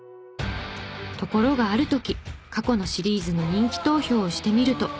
ところがある時過去のシリーズの人気投票をしてみると。